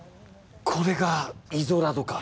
これがイゾラドか。